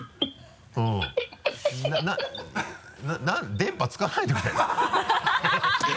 電波使わないでくれる？